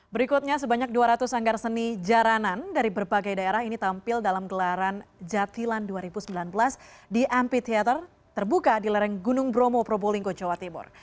berikutnya sebanyak dua ratus sanggar seni jaranan dari berbagai daerah ini tampil dalam gelaran jatilan dua ribu sembilan belas di ampitheater terbuka di lereng gunung bromo probolinggo jawa timur